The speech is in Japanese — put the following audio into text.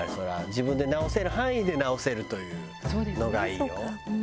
自分で直せる範囲で直せるというのがいいよ。